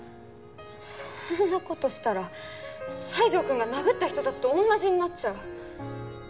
そんな事したら西条くんが殴った人たちと同じになっちゃう。